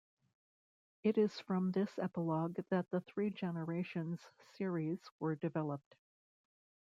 It is from this epilogue that the three Generations series were developed.